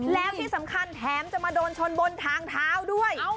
แล้วที่สำคัญแถมจะมาโดนชนบนทางเท้าด้วย